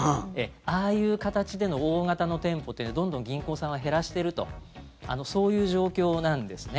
ああいう形での大型の店舗というのはどんどん銀行さんは減らしてるとそういう状況なんですね。